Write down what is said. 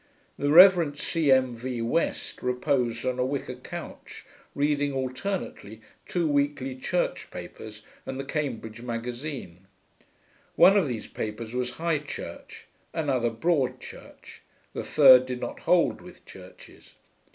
The Rev. C. M. V. West reposed on a wicker couch, reading alternately two weekly church papers and the Cambridge Magazine. One of these papers was High Church, another Broad Church, the third did not hold with churches.